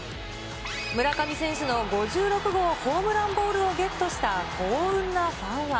村上選手の５６号ホームランボールをゲットした幸運なファンは。